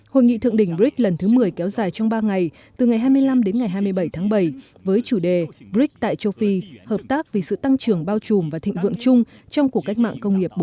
hội nghị thượng đỉnh brics lần thứ một mươi kéo dài trong ba ngày từ ngày hai mươi năm đến ngày hai mươi bảy tháng bảy với chủ đề brics tại châu phi hợp tác vì sự tăng trưởng bao trùm và thịnh vượng chung trong cuộc cách mạng công nghiệp bốn